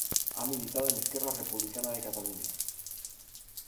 Ha militado en Esquerra Republicana de Catalunya.